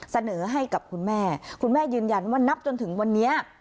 เสนอให้กับคุณแม่คุณแม่ยืนยันว่านับจนถึงวันนี้